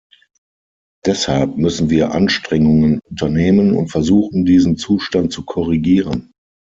Deshalb müssen wir Anstrengungen unternehmen und versuchen, diesen Zustand zu korrigieren.